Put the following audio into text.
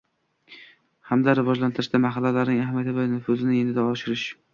hamda rivojlantirishda mahallalarning ahamiyati va nufuzini yanada oshirish;